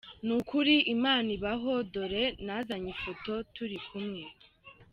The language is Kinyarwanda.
Ni ukuri Imana ibaho dore nazanye ifoto turi kumwe.